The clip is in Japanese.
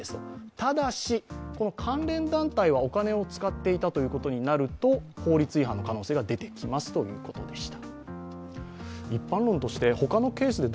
ただし、関連団体はお金を使っていたということになると法律違反の可能性が出てきますということでした。